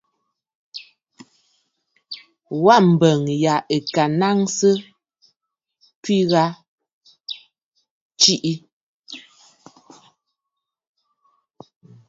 Wa mbəŋ yâ ɨ̀ kɨ nàŋsə ntwìʼi gha aa tswìʼì.